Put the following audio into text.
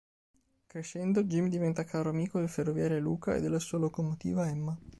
Crescendo, Jim diventa caro amico del ferroviere Luca e della sua locomotiva Emma.